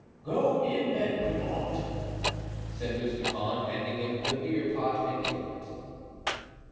"Go in, then, Grimaud," said Mousqueton, handing him the beer pot and gimlet.